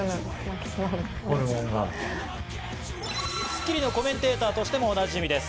『スッキリ』のコメンテーターとしてもおなじみです、